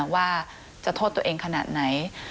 ว่าจะโทษตัวเองขนาดไหน